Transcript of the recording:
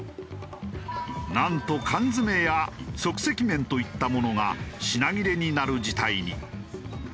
なんと缶詰や即席麺といったものが品切れになる事態に。